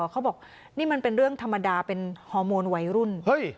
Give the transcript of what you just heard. เขาบอกนี่มันเป็นเรื่องธรรมดาเป็นฮอร์โมนวัยรุ่น